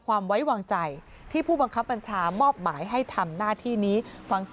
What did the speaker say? ภูมิใจไหมพี่ลูกคุยกับว่าไงภูมิใจว่าพ่อเป็นจุดรวจ